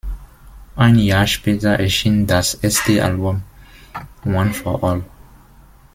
Ein Jahr später erschien das erste Album, "One For All".